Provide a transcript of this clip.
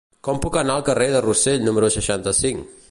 Com puc anar al carrer de Rossell número seixanta-cinc?